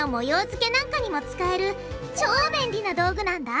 づけなんかにも使える超便利な道具なんだ！